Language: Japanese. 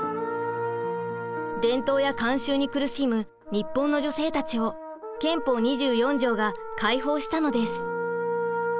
伝統や慣習に苦しむ日本の女性たちを憲法２４条が解放したのです。